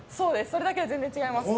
それだけで全然違います